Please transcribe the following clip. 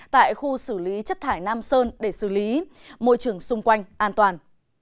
tại khu xử lý chất thải nam sơn để xử lý môi trường xung quanh an toàn